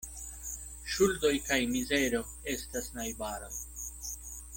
Ŝuldoj kaj mizero estas najbaroj.